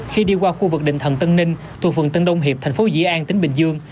khi đi qua khu vực định thần tân ninh thuộc phường tân đông hiệp thành phố dĩ an tỉnh bình dương